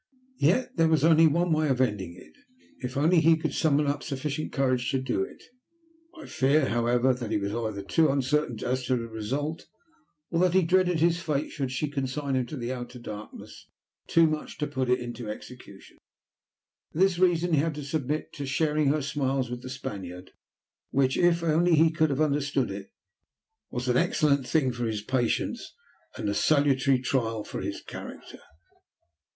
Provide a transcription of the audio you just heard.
Yet there was only one way of ending it, if only he could summon up sufficient courage to do it. I fear, however, that he was either too uncertain as to the result, or that he dreaded his fate, should she consign him to the Outer Darkness, too much to put it into execution. For this reason he had to submit to sharing her smiles with the Spaniard, which, if only he could have understood it, was an excellent thing for his patience, and a salutary trial for his character.